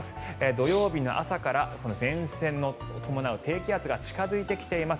土曜日の朝から前線を伴う低気圧が近付いてきています。